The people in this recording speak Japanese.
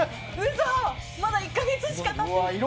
まだ１か月しか経ってない。